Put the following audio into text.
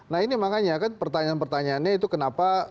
nah ini makanya kan pertanyaan pertanyaannya itu kenapa